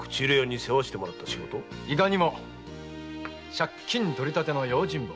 借金取り立ての用心棒。